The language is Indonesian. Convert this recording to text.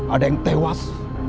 ada yang tewas